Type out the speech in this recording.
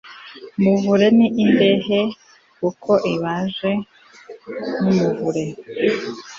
muvure ni imbehe kuko ibaje nk'umuvure